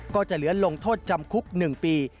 ก็จะเหลือลงโทษจำคุก๑ปี